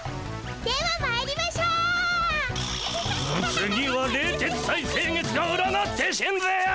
次は冷徹斎星月が占ってしんぜよう。